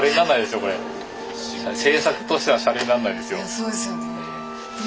そうですよね。